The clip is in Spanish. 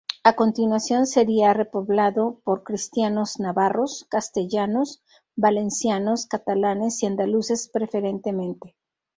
A continuación sería repoblado por cristianos navarros, castellanos, valencianos, catalanes y andaluces, preferentemente.